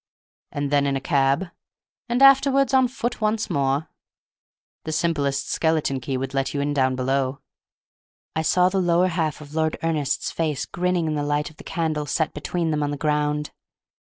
"And then in a cab?" "And afterwards on foot once more." "The simplest skeleton would let you in down below." I saw the lower half of Lord Ernest's face grinning in the light of the candle set between them on the ground.